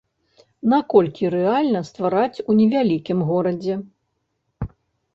Наколькі рэальна ствараць у невялікім горадзе?